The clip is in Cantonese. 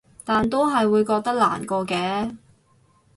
但都係會覺得難過嘅